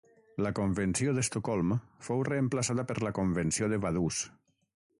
La Convenció d'Estocolm fou reemplaçada per la Convenció de Vaduz.